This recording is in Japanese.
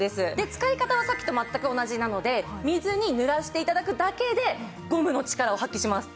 使い方はさっきと全く同じなので水に濡らして頂くだけでゴムの力を発揮します。